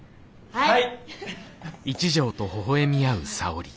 はい。